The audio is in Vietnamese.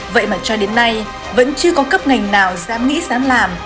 vậy mà cho đến nay vẫn chưa có cấp ngành nào dám nghĩ dám làm